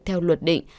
theo luật định